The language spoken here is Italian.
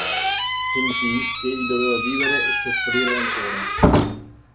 Sentì che egli doveva vivere e soffrire ancora.